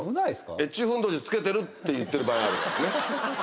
「越中フンドシつけてる？」って言ってる場合があるからね。